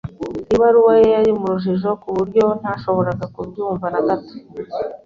Ibaruwa ye yari mu rujijo ku buryo ntashoboraga kubyumva na gato.